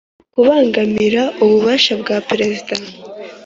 Kubangamira ububasha bwa Perezida wa